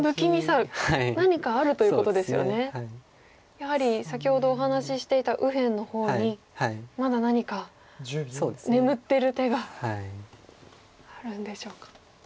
やはり先ほどお話ししていた右辺の方にまだ何か眠ってる手があるんでしょうか。